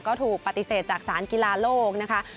ก็ถูกปฏิเสธจากสารกีฬาโลกนะคะ